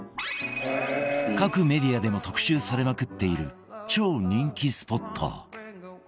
各メディアでも特集されまくっている超人気スポット